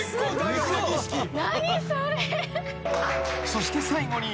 ［そして最後に］